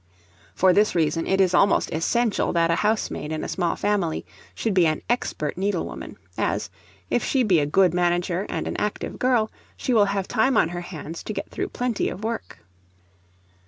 For this reason it is almost essential that a housemaid, in a small family, should be an expert needlewoman; as, if she be a good manager and an active girl, she will have time on her hands to get through plenty of work.